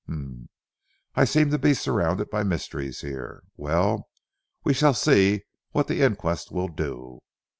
Humph! I seem to be surrounded by mysteries here. Well. We shall see what the inquest will do."